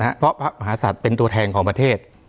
เพราะพระมหาศัตริย์เป็นตัวแทนของประเทศ